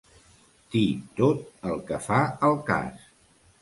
Dir tot el que fa al cas.